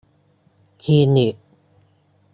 คลินิก